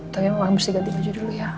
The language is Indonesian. tapi mama habis diganti baju dulu ya